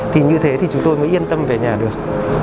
thì như thế thì chúng tôi mới yên tâm về nhà được